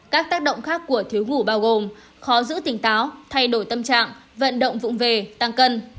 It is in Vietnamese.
các tác động khác của thiếu ngủ bao gồm khó giữ tỉnh táo thay đổi tâm trạng vận động vụng về tăng cân